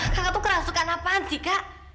kakak tuh kerasukan apaan sih kak